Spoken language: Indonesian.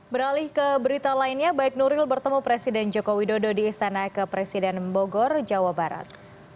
beralih ke berita lainnya baik nuril bertemu presiden jokowi dodo di istana ke presiden bogor jawa barat